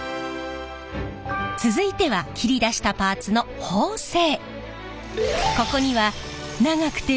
続いては切り出したパーツの縫製。